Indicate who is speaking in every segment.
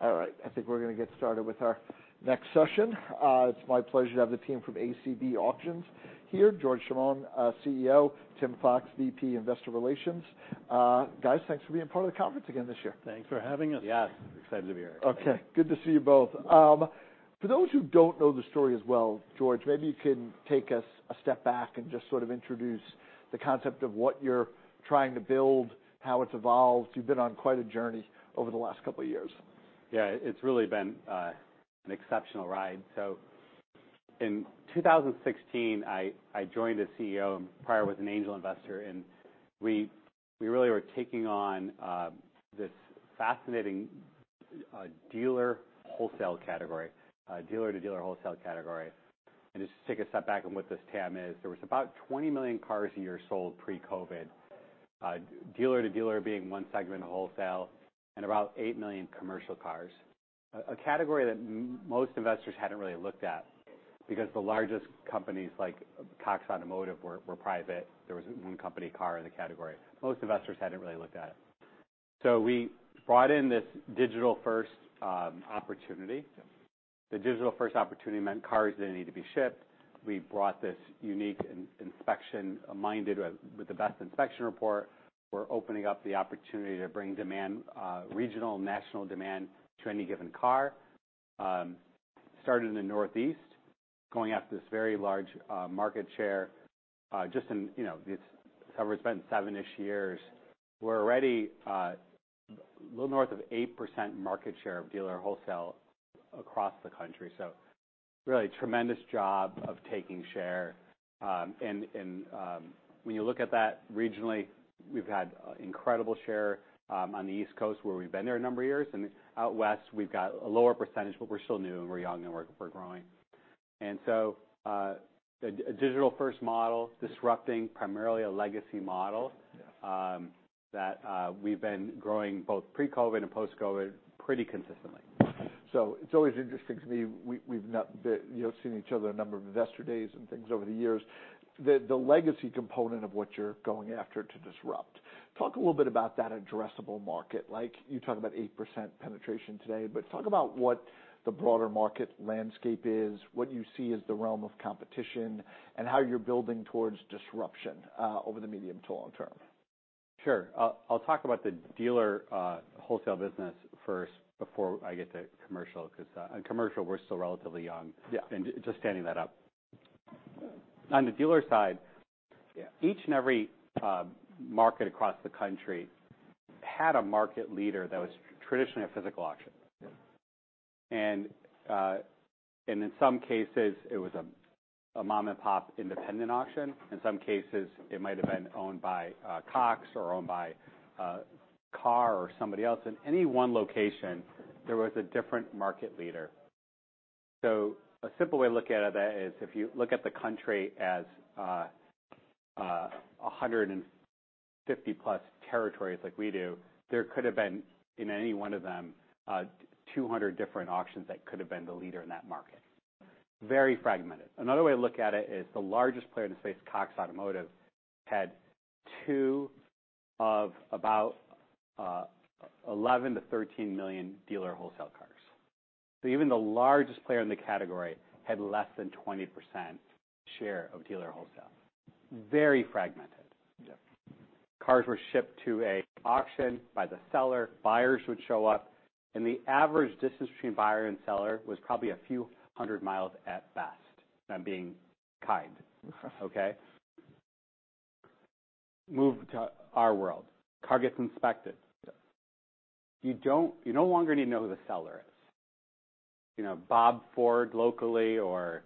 Speaker 1: All right, I think we're going to get started with our next session. It's my pleasure to have the team from ACV Auctions here. George Chamoun, CEO, Tim Fox, VP, Investor Relations. Guys, thanks for being part of the conference again this year.
Speaker 2: Thanks for having us.
Speaker 3: Yes, excited to be here.
Speaker 1: Okay, good to see you both. For those who don't know the story as well, George, maybe you can take us a step back and just sort of introduce the concept of what you're trying to build, how it's evolved. You've been on quite a journey over the last couple of years.
Speaker 3: Yeah, it's really been an exceptional ride. So in 2016, I joined as CEO, and prior, was an angel investor, and we really were taking on this fascinating dealer wholesale category, dealer-to-dealer wholesale category. And just to take a step back on what this TAM is, there was about 20 million cars a year sold pre-COVID. Dealer-to-dealer being one segment of wholesale and about 8 million commercial cars. A category that most investors hadn't really looked at because the largest companies, like Cox Automotive, were private. There was a one-company car in the category. Most investors hadn't really looked at it. So we brought in this digital-first opportunity. The digital-first opportunity meant cars didn't need to be shipped. We brought this unique inspection minded, with the best inspection report. We're opening up the opportunity to bring demand, regional, national demand to any given car. Started in the Northeast, going after this very large market share. Just in, you know, it's been seven-ish years. We're already a little north of 8% market share of dealer wholesale across the country, so really tremendous job of taking share. And when you look at that regionally, we've had incredible share on the East Coast, where we've been there a number of years, and out West, we've got a lower percentage, but we're still new, and we're young, and we're growing. And so, a digital-first model, disrupting primarily a legacy model, that we've been growing both pre-COVID and post-COVID pretty consistently.
Speaker 1: So it's always interesting to me. We've not been—you know—seeing each other a number of investor days and things over the years, the legacy component of what you're going after to disrupt. Talk a little bit about that addressable market. Like, you talk about 8% penetration today, but talk about what the broader market landscape is, what you see as the realm of competition, and how you're building towards disruption over the medium to long term.
Speaker 3: Sure. I'll, I'll talk about the dealer wholesale business first before I get to commercial, because on commercial, we're still relatively young-
Speaker 1: Yeah...
Speaker 3: and just standing that up. On the dealer side-
Speaker 1: Yeah
Speaker 3: Each and every market across the country had a market leader that was traditionally a physical auction.
Speaker 1: Yeah.
Speaker 3: In some cases, it was a mom-and-pop independent auction. In some cases, it might have been owned by Cox or owned by Carr or somebody else. In any one location, there was a different market leader. So a simple way to look at it is if you look at the country as 150+ territories, like we do, there could have been, in any one of them, 200 different auctions that could have been the leader in that market. Very fragmented. Another way to look at it is the largest player in the space, Cox Automotive, had two of about 11-13 million dealer wholesale cars. So even the largest player in the category had less than 20% share of dealer wholesale. Very fragmented.
Speaker 1: Yeah.
Speaker 3: Cars were shipped to an auction by the seller. Buyers would show up, and the average distance between buyer and seller was probably a few hundred miles at best. I'm being kind. Okay? Move to our world. Car gets inspected.
Speaker 1: Yeah.
Speaker 3: You no longer need to know who the seller is. You know, Bob Ford, locally, or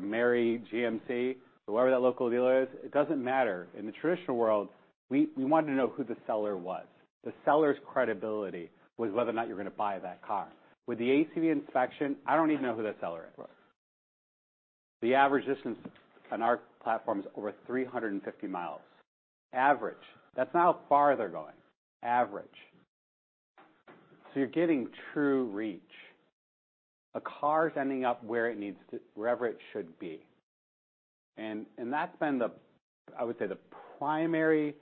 Speaker 3: Mary GMC, whoever that local dealer is, it doesn't matter. In the traditional world, we wanted to know who the seller was. The seller's credibility was whether or not you're going to buy that car. With the ACV inspection, I don't need to know who the seller is.
Speaker 1: Right.
Speaker 3: The average distance on our platform is over 350 miles. Average. That's not how far they're going, average. So you're getting true reach. A car is ending up where it needs to, wherever it should be. And, and that's been the, I would say, the primary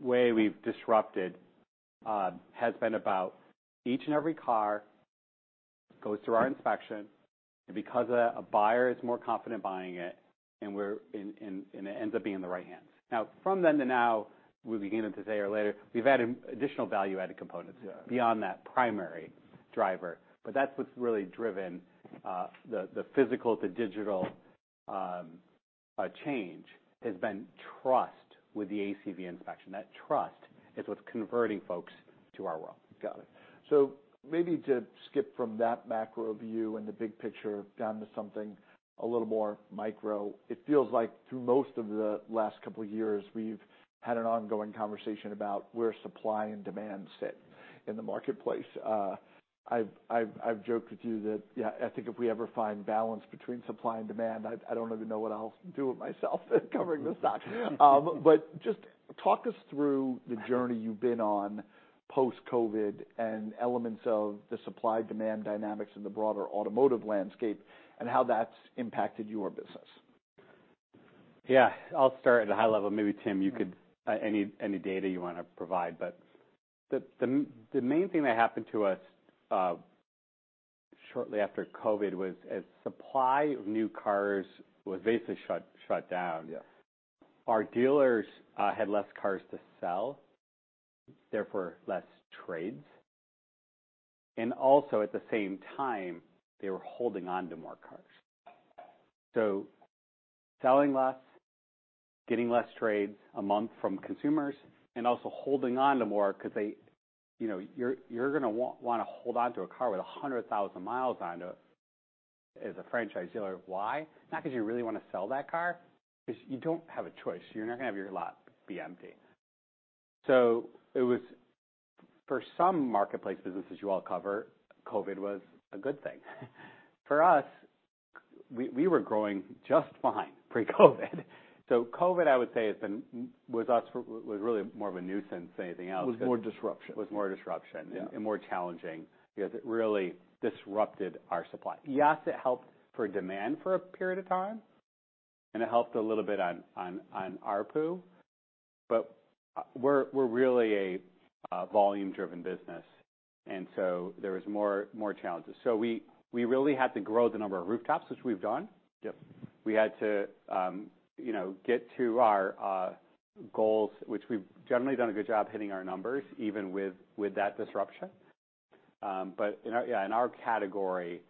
Speaker 3: way we've disrupted has been about each and every car goes through our inspection, and because of that, a buyer is more confident buying it, and we're, and, and, and it ends up being in the right hands. Now, from then to now, we began it to say earlier, we've added additional value-added components-
Speaker 1: Yeah
Speaker 3: -beyond that primary driver, but that's what's really driven the physical to digital change has been trust with the ACV inspection. That trust is what's converting folks to our world.
Speaker 1: Got it. So maybe to skip from that macro view and the big picture down to something a little more micro, it feels like through most of the last couple of years, we've had an ongoing conversation about where supply and demand sit in the marketplace. I've joked with you that, yeah, I think if we ever find balance between supply and demand, I don't even know what I'll do with myself, covering the stock. But just talk us through the journey you've been on post-COVID and elements of the supply-demand dynamics in the broader automotive landscape and how that's impacted your business.
Speaker 3: Yeah, I'll start at a high level. Maybe, Tim, you could any data you wanna provide. But the main thing that happened to us shortly after COVID was, as supply of new cars was basically shut down-
Speaker 1: Yes.
Speaker 3: Our dealers had less cars to sell, therefore less trades. And also, at the same time, they were holding on to more cars. So selling less, getting less trades a month from consumers, and also holding on to more because they... You know, you're gonna want to hold onto a car with 100,000 miles on it as a franchise dealer. Why? Not because you really wanna sell that car, because you don't have a choice. You're not gonna have your lot be empty. So it was, for some marketplace businesses you all cover, COVID was a good thing. For us, we were growing just fine pre-COVID. So COVID, I would say, has been, with us, was really more of a nuisance than anything else.
Speaker 1: It was more disruption.
Speaker 3: It was more disruption-
Speaker 1: Yeah...
Speaker 3: and more challenging because it really disrupted our supply. Yes, it helped for demand for a period of time, and it helped a little bit on ARPU, but we're really a volume-driven business, and so there was more challenges. So we really had to grow the number of rooftops, which we've done.
Speaker 1: Yep.
Speaker 3: We had to, you know, get to our goals, which we've generally done a good job hitting our numbers, even with that disruption. But in our category,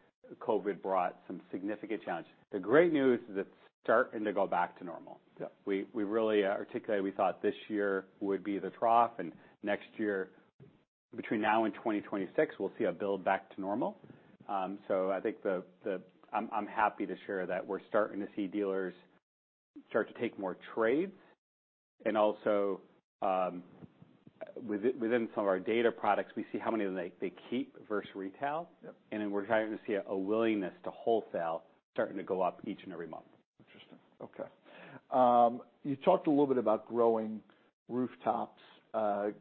Speaker 3: COVID brought some significant challenges. The great news is it's starting to go back to normal.
Speaker 1: Yeah.
Speaker 3: We really articulated we thought this year would be the trough, and next year, between now and 2026, we'll see a build back to normal. So I think the I'm happy to share that we're starting to see dealers start to take more trades, and also, within some of our data products, we see how many of them they keep versus retail.
Speaker 1: Yep.
Speaker 3: And then we're starting to see a willingness to wholesale starting to go up each and every month.
Speaker 1: Interesting. Okay. You talked a little bit about growing rooftops,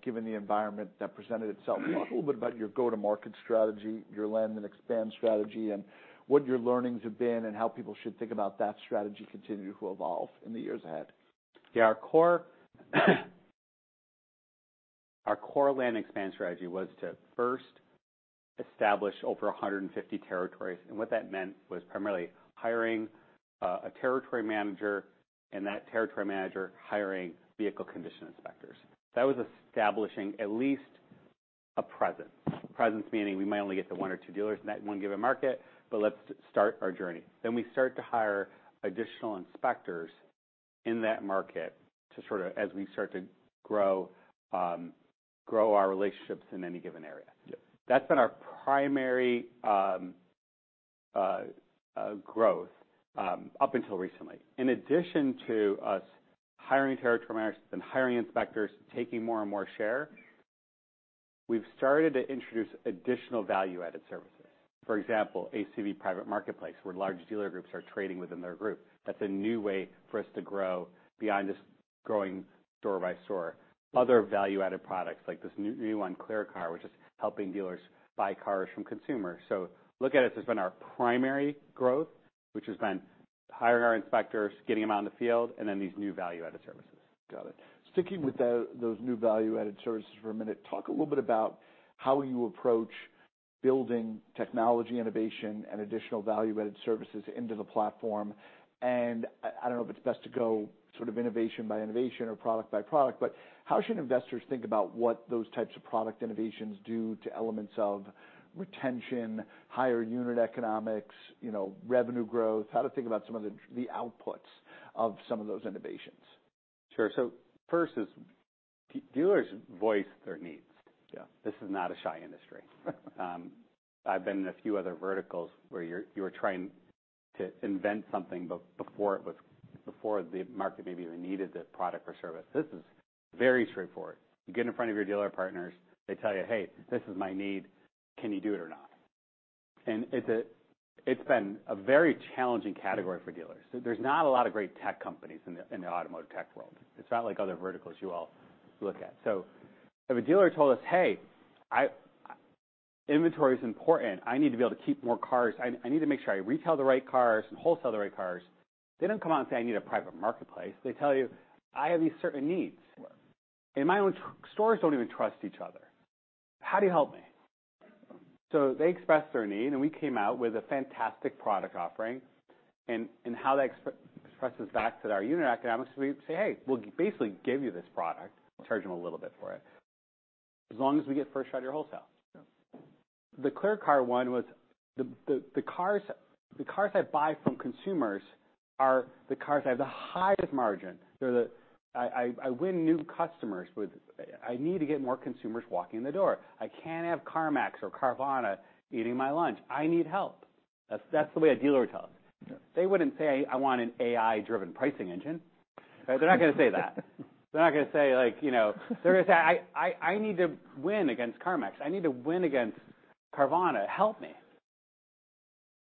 Speaker 1: given the environment that presented itself. Talk a little bit about your go-to-market strategy, your land and expand strategy, and what your learnings have been, and how people should think about that strategy continuing to evolve in the years ahead.
Speaker 3: Yeah, our core, our core land-and-expand strategy was to first establish over 150 territories, and what that meant was primarily hiring a territory manager and that territory manager hiring Vehicle Condition Inspectors. That was establishing at least a presence. Presence, meaning we might only get the one or two dealers in that one given market, but let's start our journey. Then we start to hire additional inspectors in that market to sort of, as we start to grow, grow our relationships in any given area.
Speaker 1: Yeah.
Speaker 3: That's been our primary growth up until recently. In addition to us hiring territory managers and hiring inspectors, taking more and more share, we've started to introduce additional value-added services. For example, ACV Private Marketplace, where large dealer groups are trading within their group. That's a new way for us to grow beyond just growing store by store. Other value-added products, like this new one, ClearCar, which is helping dealers buy cars from consumers. So look at it as been our primary growth, which has been hiring our inspectors, getting them out in the field, and then these new value-added services.
Speaker 1: Got it. Sticking with those new value-added services for a minute, talk a little bit about how you approach building technology innovation and additional value-added services into the platform. I don't know if it's best to go sort of innovation by innovation or product by product, but how should investors think about what those types of product innovations do to elements of retention, higher unit economics, you know, revenue growth? How to think about some of the outputs of some of those innovations?
Speaker 3: Sure. So first is, dealers voice their needs.
Speaker 1: Yeah.
Speaker 3: This is not a shy industry. I've been in a few other verticals where you're, you were trying to invent something before it was before the market maybe even needed the product or service. This is very straightforward. You get in front of your dealer partners, they tell you: "Hey, this is my need. Can you do it or not?" And it's been a very challenging category for dealers. So there's not a lot of great tech companies in the automotive tech world. It's not like other verticals you all look at. So if a dealer told us, "Hey, inventory is important. I need to be able to keep more cars. I need to make sure I retail the right cars and wholesale the right cars," they don't come out and say, "I need a private marketplace." They tell you, "I have these certain needs.
Speaker 1: Sure.
Speaker 3: And my own stores don't even trust each other. How do you help me?" So they expressed their need, and we came out with a fantastic product offering. And how that expresses back to our unit economics, we say, "Hey, we'll basically give you this product," charge them a little bit for it, "as long as we get first shot at your wholesale.
Speaker 1: Yeah.
Speaker 3: The ClearCar one was the cars I buy from consumers are the cars I have the highest margin. They're the... I win new customers with—I need to get more consumers walking in the door. I can't have CarMax or Carvana eating my lunch. I need help. That's the way a dealer tells us.
Speaker 1: Yeah.
Speaker 3: They wouldn't say, "I want an AI-driven pricing engine." They're not gonna say that. They're not gonna say, like, you know, they're gonna say, "I, I, I need to win against CarMax. I need to win against Carvana. Help me."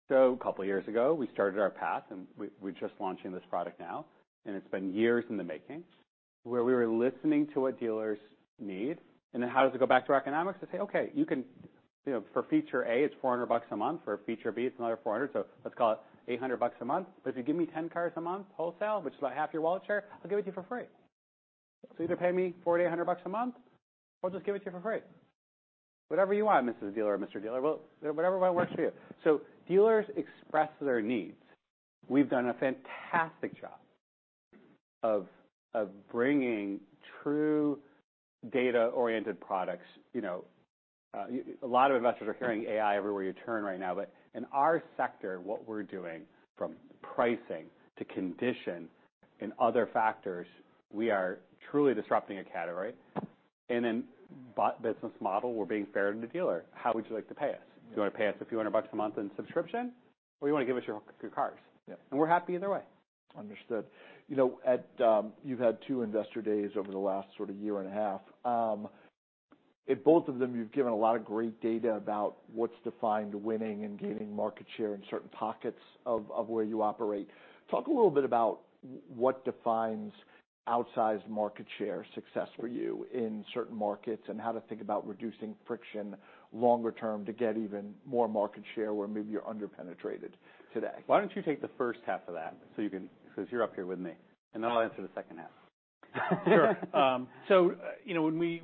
Speaker 3: So a couple of years ago, we started our path, and we, we're just launching this product now, and it's been years in the making, where we were listening to what dealers need, and then how does it go back to our economics and say, "Okay, you can, you know, for feature A, it's $400 a month, for feature B, it's another $400, so let's call it $800 a month. But if you give me 10 cars a month, wholesale, which is about half your wallet share, I'll give it to you for free. So either pay me $4,800 a month, or I'll just give it to you for free. Whatever you want, Mrs. Dealer or Mr. Dealer, we'll whatever works for you." So dealers express their needs. We've done a fantastic job of bringing true data-oriented products. You know, a lot of investors are hearing AI everywhere you turn right now, but in our sector, what we're doing, from pricing to condition and other factors, we are truly disrupting a category. And in business model, we're being fair to the dealer. How would you like to pay us? Do you want to pay us a few hundred a month in subscription, or you want to give us your cars?
Speaker 1: Yeah.
Speaker 3: We're happy either way.
Speaker 1: Understood. You know, you've had two investor days over the last sort of year and a half. At both of them, you've given a lot of great data about what's defined winning and gaining market share in certain pockets of where you operate. Talk a little bit about what defines outsized market share success for you in certain markets, and how to think about reducing friction longer term to get even more market share where maybe you're under-penetrated today.
Speaker 3: Why don't you take the first half of that? So you can... Because you're up here with me, and then I'll answer the second half.
Speaker 2: Sure. So you know, when we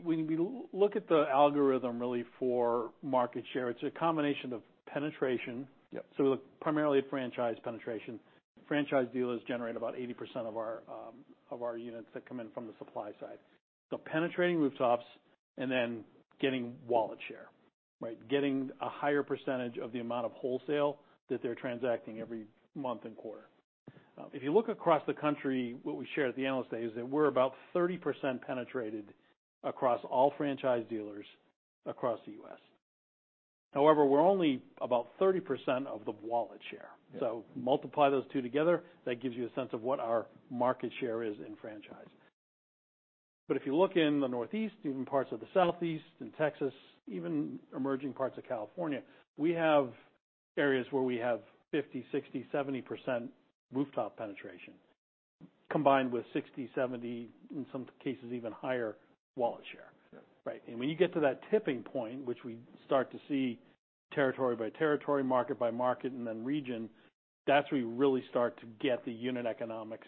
Speaker 2: look at the algorithm really for market share, it's a combination of penetration-
Speaker 1: Yeah.
Speaker 2: So primarily franchise penetration. Franchise dealers generate about 80% of our, of our units that come in from the supply side. So penetrating rooftops and then getting wallet share, right? Getting a higher percentage of the amount of wholesale that they're transacting every month and quarter. If you look across the country, what we shared at the analyst day is that we're about 30% penetrated across all franchise dealers across the U.S. However, we're only about 30% of the wallet share.
Speaker 1: Yeah.
Speaker 2: So multiply those two together, that gives you a sense of what our market share is in franchise. But if you look in the Northeast, even parts of the Southeast and Texas, even emerging parts of California, we have areas where we have 50%, 60%, 70% rooftop penetration, combined with 60%, 70%, in some cases, even higher wallet share.
Speaker 1: Yeah.
Speaker 2: Right. When you get to that tipping point, which we start to see territory by territory, market by market, and then region, that's where you really start to get the unit economics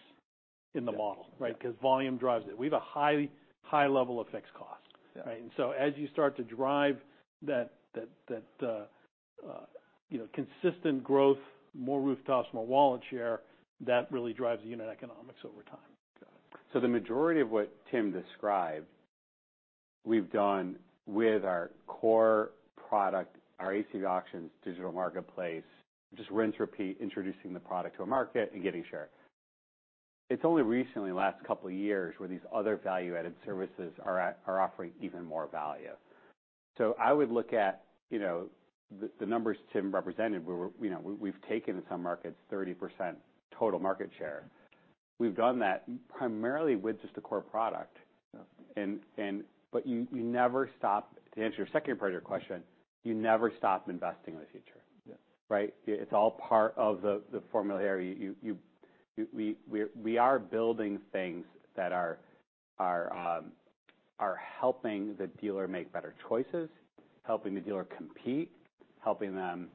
Speaker 2: in the model.
Speaker 1: Yeah.
Speaker 2: Right? Because volume drives it. We have a highly high level of fixed cost.
Speaker 1: Yeah.
Speaker 2: Right? And so as you start to drive that, you know, consistent growth, more rooftops, more wallet share, that really drives the unit economics over time.
Speaker 3: So the majority of what Tim described, we've done with our core product, our ACV Auctions digital marketplace. Just rinse, repeat, introducing the product to a market and getting share. It's only recently, last couple of years, where these other value-added services are at, are offering even more value. So I would look at, you know, the numbers Tim represented, where, you know, we've taken in some markets, 30% total market share. We've done that primarily with just the core product.
Speaker 1: Yeah.
Speaker 3: But you never stop. To answer your second part of your question, you never stop investing in the future.
Speaker 1: Yeah.
Speaker 3: Right? It's all part of the formula. We are building things that are helping the dealer make better choices, helping the dealer compete, helping them,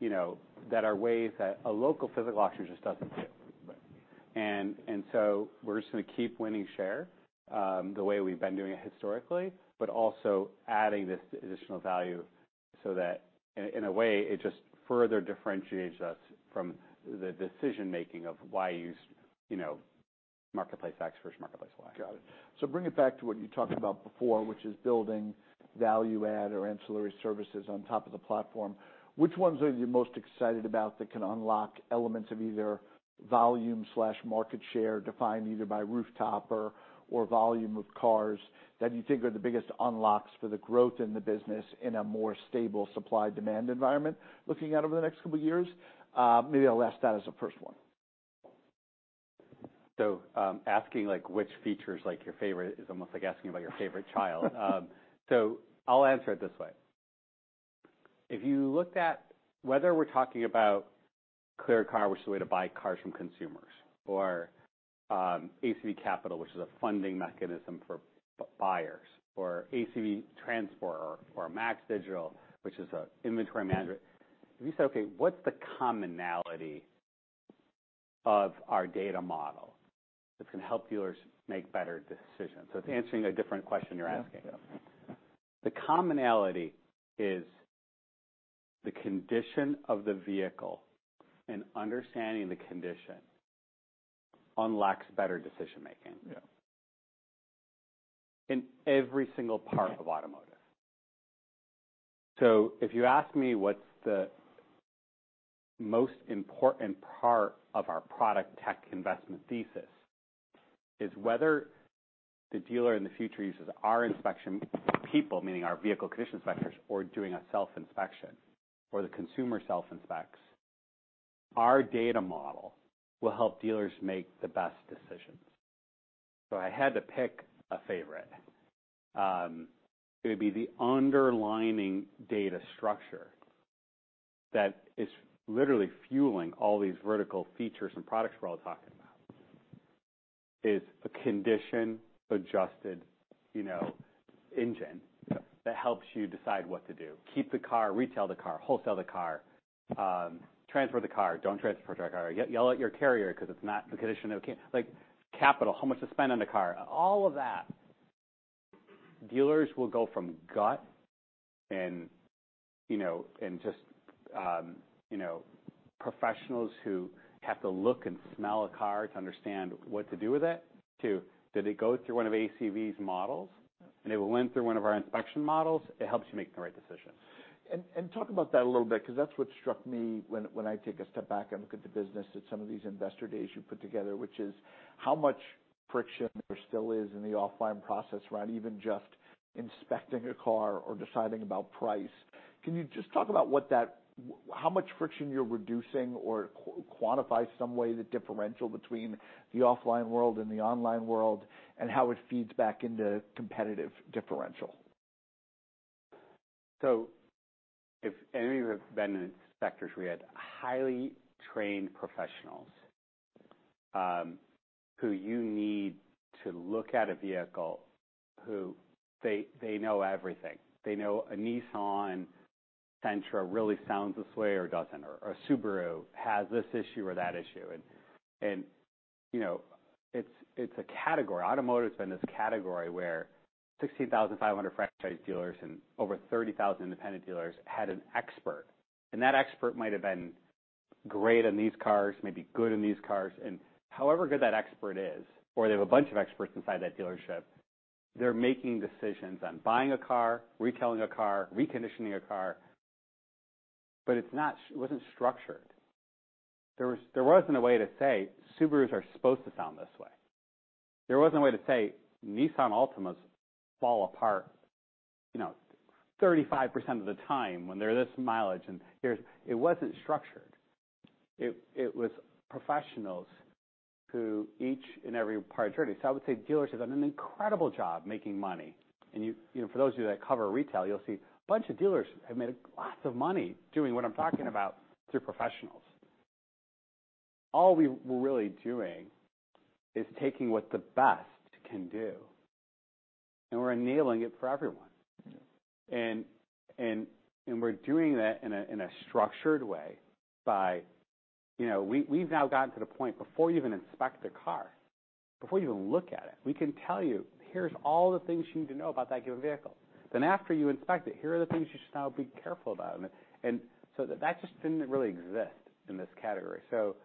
Speaker 3: you know, that are ways that a local physical auction just doesn't do.
Speaker 1: Right.
Speaker 3: So we're just going to keep winning share the way we've been doing it historically, but also adding this additional value so that in a way it just further differentiates us from the decision-making of why use, you know, marketplace X versus marketplace Y.
Speaker 1: Got it. So bring it back to what you talked about before, which is building value add or ancillary services on top of the platform. Which ones are you most excited about that can unlock elements of either volume slash market share, defined either by rooftop or volume of cars, that you think are the biggest unlocks for the growth in the business in a more stable supply-demand environment, looking out over the next couple of years? Maybe I'll ask that as the first one.
Speaker 3: So, asking, like, which feature is like your favorite, is almost like asking about your favorite child. So I'll answer it this way. If you looked at whether we're talking about ClearCar, which is a way to buy cars from consumers, or, ACV Capital, which is a funding mechanism for buyers, or ACV Transport or MAX Digital, which is an inventory manager. If you say, okay, what's the commonality of our data model that can help dealers make better decisions? So it's answering a different question you're asking.
Speaker 1: Yeah.
Speaker 3: The commonality is the condition of the vehicle, and understanding the condition unlocks better decision making-
Speaker 1: Yeah...
Speaker 3: in every single part of automotive. So if you ask me what's the most important part of our product tech investment thesis, is whether the dealer in the future uses our inspection people, meaning our Vehicle Condition Inspectors, or doing a self-inspection, or the consumer self-inspects. Our data model will help dealers make the best decisions. So if I had to pick a favorite, it would be the underlying data structure that is literally fueling all these vertical features and products we're all talking about, is a condition-adjusted, you know, engine that helps you decide what to do. Keep the car, retail the car, wholesale the car, transfer the car, don't transfer the car. Yell at your carrier because it's not in the condition it came. Like, capital, how much to spend on the car? All of that. Dealers will go from gut and, you know, and just, you know, professionals who have to look and smell a car to understand what to do with it, to do they go through one of ACV's models, and they will lend through one of our inspection models. It helps you make the right decision.
Speaker 1: Talk about that a little bit, because that's what struck me when I take a step back and look at the business, at some of these investor days you put together, which is how much friction there still is in the offline process, right? Even just inspecting a car or deciding about price. Can you just talk about what that - how much friction you're reducing or quantify some way the differential between the offline world and the online world, and how it feeds back into competitive differential?
Speaker 3: So if any of you have been inspectors, we had highly trained professionals who you need to look at a vehicle, who they know everything. They know a Nissan Sentra really sounds this way or doesn't, or a Subaru has this issue or that issue. You know, it's a category. Automotive has been this category where 16,500 franchise dealers and over 30,000 independent dealers had an expert, and that expert might have been great in these cars, maybe good in these cars. However good that expert is, or they have a bunch of experts inside that dealership, they're making decisions on buying a car, retailing a car, reconditioning a car, but it wasn't structured. There wasn't a way to say, Subarus are supposed to sound this way. There wasn't a way to say, Nissan Altimas fall apart, you know, 35% of the time when they're this mileage, and here's... It wasn't structured. It, it was professionals who each and every part journey. So I would say dealers have done an incredible job making money. And you, you know, for those of you that cover retail, you'll see a bunch of dealers have made lots of money doing what I'm talking about through professionals. All we're really doing is taking what the best can do, and we're enabling it for everyone. And, and, and we're doing that in a, in a structured way by, you know, we, we've now gotten to the point before you even inspect the car, before you even look at it, we can tell you, here's all the things you need to know about that given vehicle. Then after you inspect it, here are the things you should now be careful about. And so that just didn't really exist in this category. So,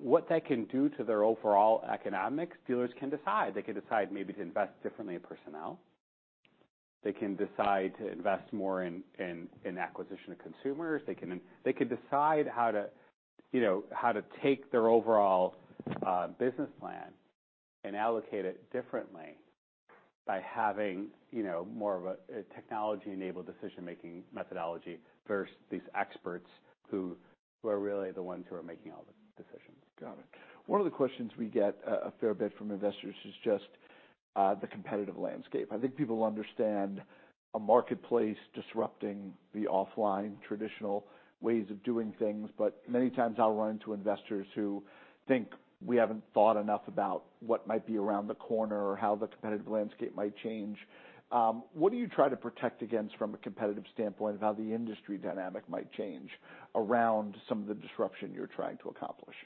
Speaker 3: what that can do to their overall economics, dealers can decide. They can decide maybe to invest differently in personnel. They can decide to invest more in acquisition of consumers. They can, they could decide how to, you know, how to take their overall business plan and allocate it differently by having, you know, more of a technology-enabled decision-making methodology versus these experts who are really the ones who are making all the decisions.
Speaker 1: Got it. One of the questions we get a fair bit from investors is just the competitive landscape. I think people understand a marketplace disrupting the offline traditional ways of doing things, but many times I'll run into investors who think we haven't thought enough about what might be around the corner or how the competitive landscape might change. What do you try to protect against from a competitive standpoint of how the industry dynamic might change around some of the disruption you're trying to accomplish?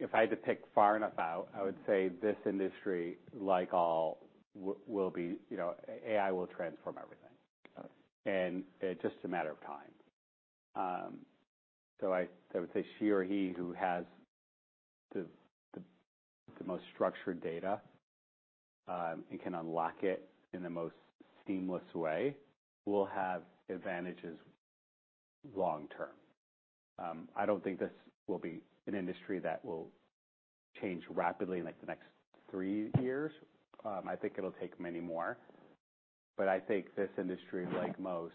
Speaker 3: If I had to pick far enough out, I would say this industry, like all, will be, you know, AI will transform everything.
Speaker 1: Got it.
Speaker 3: It's just a matter of time. So I would say she or he who has the most structured data and can unlock it in the most seamless way will have advantages long term. I don't think this will be an industry that will change rapidly in, like, the next three years. I think it'll take many more, but I think this industry, like most,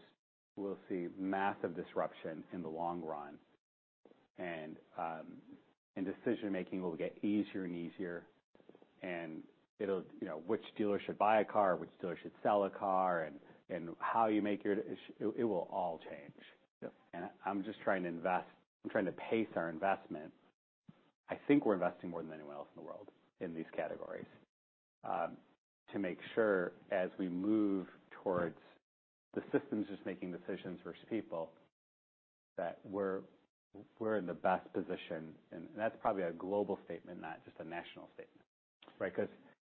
Speaker 3: will see massive disruption in the long run. Decision-making will get easier and easier, and it'll... You know, which dealer should buy a car, which dealer should sell a car, and how you make your—it will all change.
Speaker 1: Yep.
Speaker 3: I'm just trying to invest. I'm trying to pace our investment. I think we're investing more than anyone else in the world in these categories, to make sure as we move towards the systems just making decisions versus people, that we're in the best position. That's probably a global statement, not just a national statement, right? Because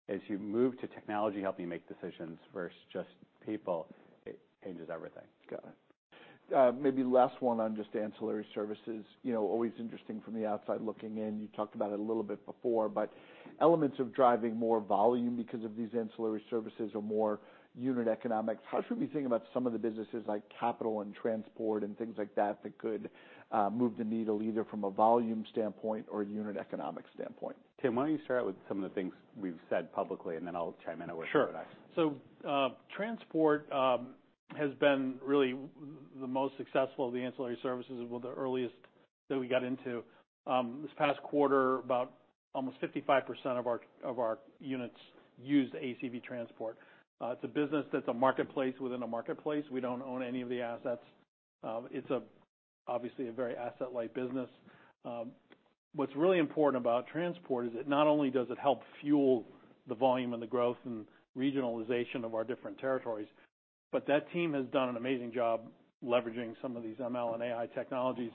Speaker 3: as you move to technology helping you make decisions versus just people, it changes everything.
Speaker 1: Got it. Maybe last one on just ancillary services. You know, always interesting from the outside looking in. You talked about it a little bit before, but elements of driving more volume because of these ancillary services are more unit economics. How should we think about some of the businesses like capital and transport and things like that, that could move the needle either from a volume standpoint or a unit economic standpoint?
Speaker 3: Tim, why don't you start out with some of the things we've said publicly, and then I'll chime in with-
Speaker 2: Sure. So, transport has been really the most successful of the ancillary services, so we got into this past quarter about almost 55% of our units use ACV Transport. It's a business that's a marketplace within a marketplace. We don't own any of the assets. It's obviously a very asset-light business. What's really important about transport is that not only does it help fuel the volume and the growth and regionalization of our different territories, but that team has done an amazing job leveraging some of these ML and AI technologies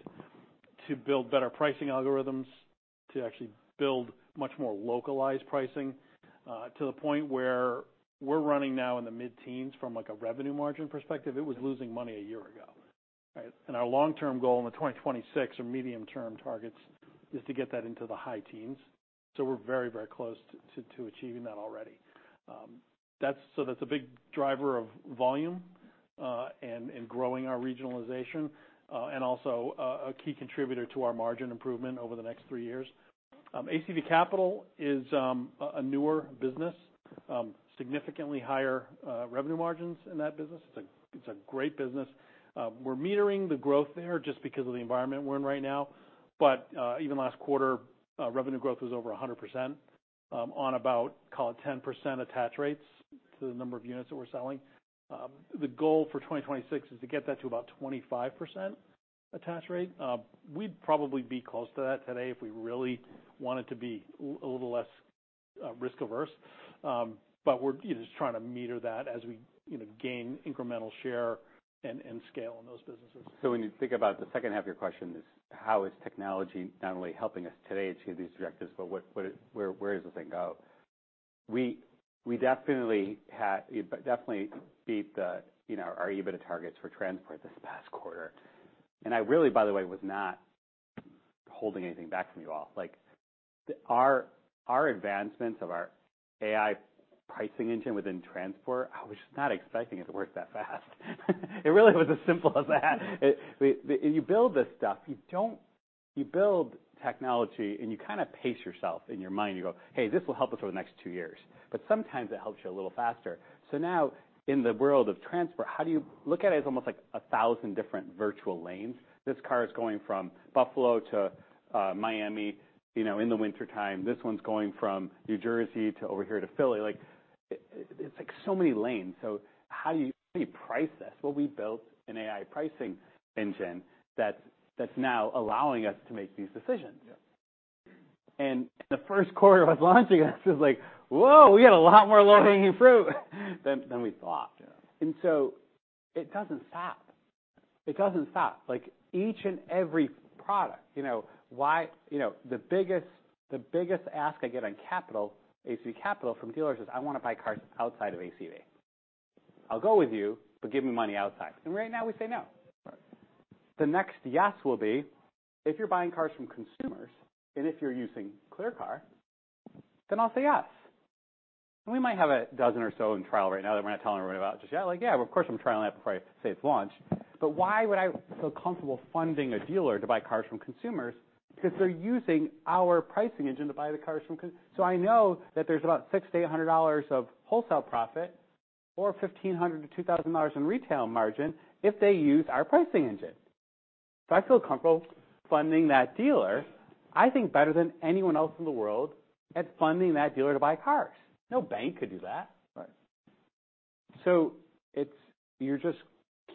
Speaker 2: to build better pricing algorithms, to actually build much more localized pricing, to the point where we're running now in the mid-teens from, like, a revenue margin perspective. It was losing money a year ago, right? Our long-term goal in 2026 or medium-term targets is to get that into the high teens. We're very close to achieving that already. That's a big driver of volume, and growing our regionalization, and also a key contributor to our margin improvement over the next three years. ACV Capital is a newer business with significantly higher revenue margins in that business. It's a great business. We're metering the growth there just because of the environment we're in right now. But even last quarter, revenue growth was over 100%, on about, call it, 10% attach rates to the number of units that we're selling. The goal for 2026 is to get that to about 25% attach rate. We'd probably be close to that today if we really wanted to be a little less risk-averse. But we're, you know, just trying to meter that as we, you know, gain incremental share and scale in those businesses.
Speaker 3: So when you think about the second half of your question is, how is technology not only helping us today achieve these objectives, but what, what is... where, where does this thing go? We definitely beat the, you know, our EBITDA targets for transport this past quarter. And I really, by the way, was not holding anything back from you all. Like, our advancements of our AI pricing engine within transport, I was just not expecting it to work that fast. You build this stuff, you don't... You build technology, and you kinda pace yourself. In your mind, you go, "Hey, this will help us for the next two years." But sometimes it helps you a little faster. So now, in the world of transport, how do you look at it as almost like a thousand different virtual lanes? This car is going from Buffalo to Miami, you know, in the wintertime. This one's going from New Jersey to over here to Philly. Like, it's like so many lanes. So how do you, how do you price this? Well, we built an AI pricing engine that's, that's now allowing us to make these decisions.
Speaker 1: Yeah.
Speaker 3: The first quarter of launching this, was like, "Whoa! We got a lot more low-hanging fruit than we thought.
Speaker 1: Yeah.
Speaker 3: And so it doesn't stop. It doesn't stop. Like, each and every product, you know, why- You know, the biggest, the biggest ask I get on Capital, ACV Capital, from dealers is, "I want to buy cars outside of ACV. I'll go with you, but give me money outside." And right now, we say, "No.
Speaker 1: Right.
Speaker 3: The next yes will be, if you're buying cars from consumers, and if you're using ClearCar, then I'll say yes. We might have a dozen or so in trial right now that we're not telling everybody about just yet. Like, yeah, of course, I'm trying that before I say it's launch. But why would I feel comfortable funding a dealer to buy cars from consumers? Because they're using our pricing engine to buy the cars from consumers, so I know that there's about $600-$800 of wholesale profit or $1,500-$2,000 in retail margin if they use our pricing engine. So I feel comfortable funding that dealer, I think, better than anyone else in the world at funding that dealer to buy cars. No bank could do that.
Speaker 1: Right.
Speaker 3: So it's you just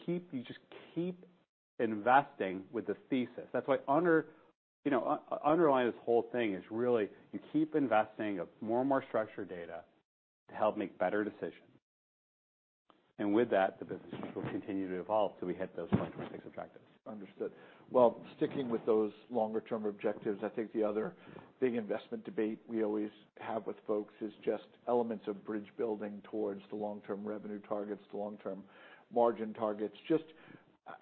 Speaker 3: keep investing with the thesis. That's why, you know, underlying this whole thing is really you keep investing of more and more structured data to help make better decisions. And with that, the businesses will continue to evolve till we hit those 2026 objectives.
Speaker 1: Understood. Well, sticking with those longer-term objectives, I think the other big investment debate we always have with folks is just elements of bridge building towards the long-term revenue targets, the long-term margin targets. Just,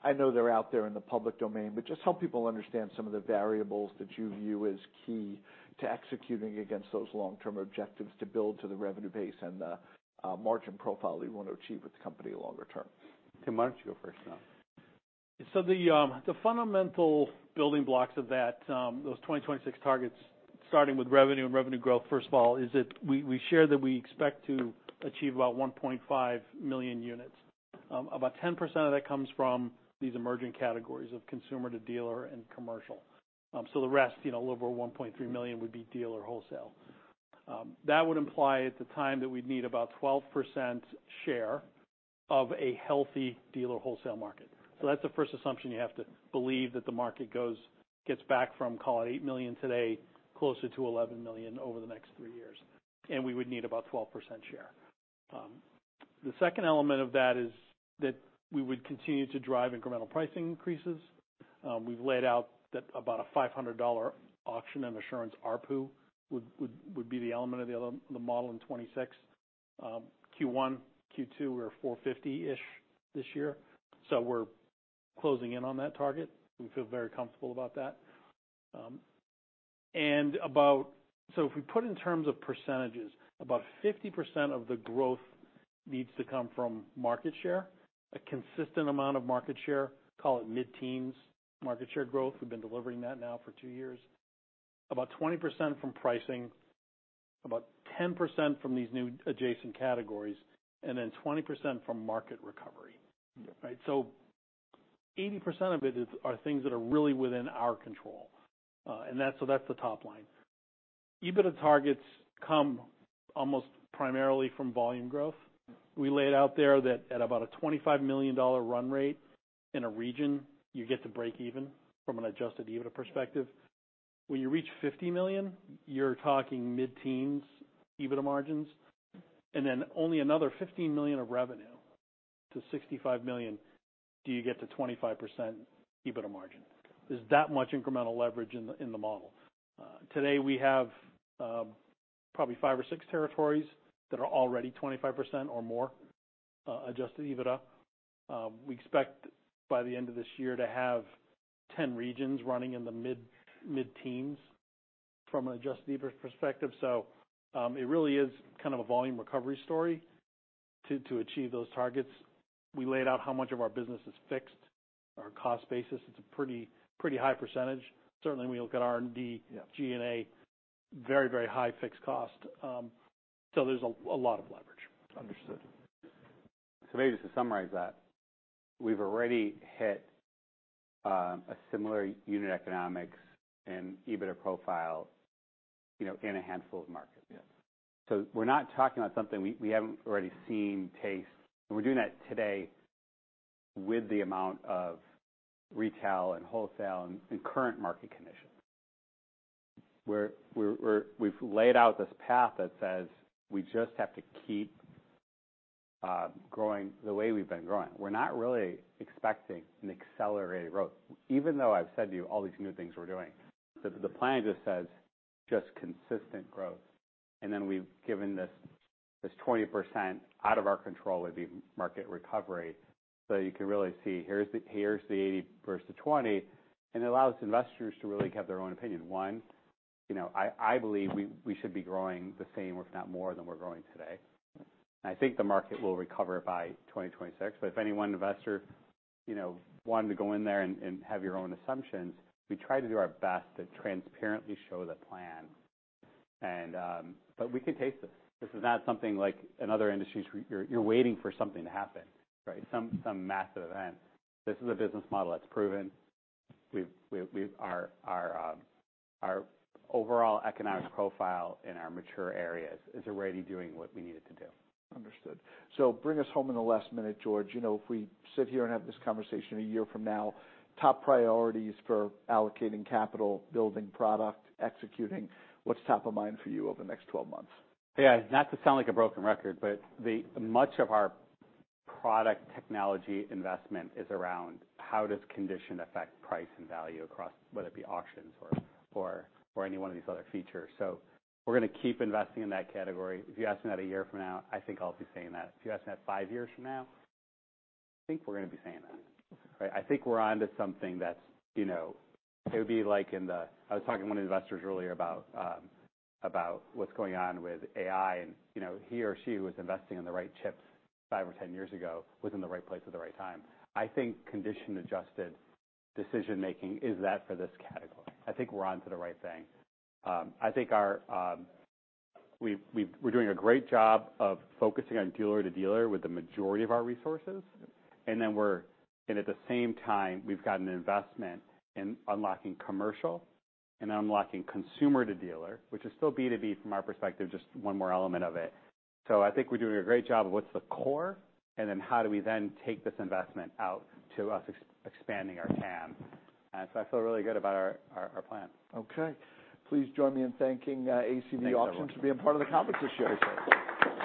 Speaker 1: I know they're out there in the public domain, but just help people understand some of the variables that you view as key to executing against those long-term objectives to build to the revenue base and the margin profile that you want to achieve with the company longer term.
Speaker 3: Tim, why don't you go first now?
Speaker 2: So the fundamental building blocks of that, those 2026 targets, starting with revenue and revenue growth, first of all, is that we share that we expect to achieve about 1.5 million units. About 10% of that comes from these emerging categories of consumer to dealer and commercial. So the rest, you know, a little over 1.3 million would be dealer wholesale. That would imply at the time that we'd need about 12% share of a healthy dealer wholesale market. So that's the first assumption you have to believe, that the market gets back from, call it, 8 million today, closer to 11 million over the next 3 years, and we would need about 12% share. The second element of that is that we would continue to drive incremental pricing increases. We've laid out that about a $500 auction and assurance ARPU would be the element of the other, the model in 2026. Q1, Q2, we're $450-ish this year, so we're closing in on that target. We feel very comfortable about that. And about... So if we put it in terms of percentages, about 50% of the growth needs to come from market share, a consistent amount of market share, call it mid-teens market share growth. We've been delivering that now for two years. About 20% from pricing, about 10% from these new adjacent categories, and then 20% from market recovery. Right? So 80% of it is, are things that are really within our control, and that's, so that's the top line. EBITDA targets come almost primarily from volume growth. We laid out there that at about a $25 million run rate in a region, you get to break even from an adjusted EBITDA perspective. When you reach $50 million, you're talking mid-teens EBITDA margins, and then only another $15 million of revenue to $65 million, do you get to 25% EBITDA margin. There's that much incremental leverage in the, in the model. Today, we have, probably five or six territories that are already 25% or more, adjusted EBITDA. We expect by the end of this year to have 10 regions running in the mid, mid-teens from an Adjusted EBITDA perspective. So, it really is kind of a volume recovery story to, to achieve those targets. We laid out how much of our business is fixed, our cost basis. It's a pretty, pretty high percentage. Certainly, when you look at R&D, G&A, very, very high fixed cost. So there's a lot of leverage.
Speaker 1: Understood.
Speaker 3: So maybe just to summarize that, we've already hit a similar unit economics and EBITDA profile, you know, in a handful of markets.
Speaker 1: Yes.
Speaker 3: So we're not talking about something we haven't already seen. That's, and we're doing that today with the amount of retail and wholesale in current market conditions. We're, we've laid out this path that says we just have to keep growing the way we've been growing. We're not really expecting an accelerated growth, even though I've said to you all these new things we're doing. The plan just says, just consistent growth, and then we've given this 20% out of our control of the market recovery. So you can really see, here's the, here's the 80 versus 20, and it allows investors to really have their own opinion. One, you know, I believe we should be growing the same, if not more, than we're growing today. I think the market will recover by 2026, but if any one investor, you know, wanted to go in there and have your own assumptions, we try to do our best to transparently show the plan. But we can taste this. This is not something like in other industries, you're waiting for something to happen, right? Some massive event. This is a business model that's proven. We've our overall economic profile in our mature areas is already doing what we need it to do.
Speaker 1: Understood. So bring us home in the last minute, George. You know, if we sit here and have this conversation a year from now, top priorities for allocating capital, building product, executing, what's top of mind for you over the next 12 months?
Speaker 3: Yeah. Not to sound like a broken record, but much of our product technology investment is around how does condition affect price and value across, whether it be auctions or any one of these other features. So we're gonna keep investing in that category. If you ask me that a year from now, I think I'll be saying that. If you ask me that five years from now, I think we're gonna be saying that. I think we're onto something that's, you know, it would be like in the - I was talking to one of the investors earlier about what's going on with AI, and, you know, he or she was investing in the right chips five or 10 years ago, was in the right place at the right time. I think condition-adjusted decision-making is that for this category. I think we're onto the right thing. I think we're doing a great job of focusing on dealer-to-dealer with the majority of our resources, and then, and at the same time, we've got an investment in unlocking commercial and unlocking consumer-to-dealer, which is still B2B from our perspective, just one more element of it. So I think we're doing a great job of what's the core, and then how do we then take this investment out to use expanding our TAM? So I feel really good about our plan.
Speaker 1: Okay. Please join me in thanking ACV Auctions-
Speaker 3: Thanks, everyone.
Speaker 1: -for being part of the conference this year.